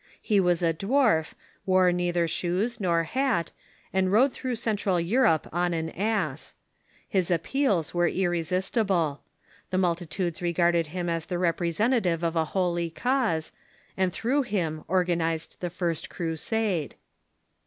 He was a dwarf, wore neither shoes nor hat, and rode through Central Europe on an ass. His appeals were irresistible. The multi tudes regarded him as the representative of a holy cause, and throuijh him orijanized the first Crusade.